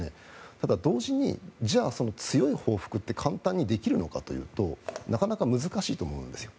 ただ、同時にじゃあ、その強い報復って簡単にできるのかというとなかなか難しいと思うんですよ。